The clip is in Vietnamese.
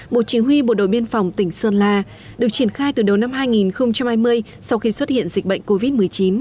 bộ chỉ huy bộ đội biên phòng tỉnh sơn la được triển khai từ đầu năm hai nghìn hai mươi sau khi xuất hiện dịch bệnh covid một mươi chín